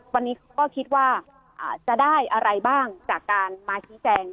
วันนี้ก็คิดว่าจะได้อะไรบ้างจากการมาชี้แจง